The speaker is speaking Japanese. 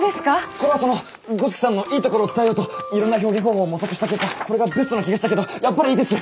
これはその五色さんのいいところを伝えようといろんな表現方法を模索した結果これがベストな気がしたけどやっぱりいいです。